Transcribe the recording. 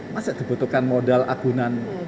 masih dibutuhkan modal agunan